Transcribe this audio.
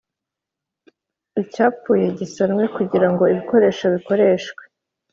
Icyapfuye Gisanwe Kugira Ngo Ibikoresho Bikoreshwe